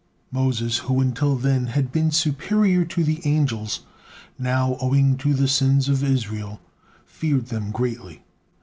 '" Moses, who until then had been superior to the angels, now, owing to the sins of Israel, feared them greatly.